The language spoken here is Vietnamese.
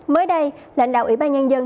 mới đây lãnh đạo ủy ban nhân dân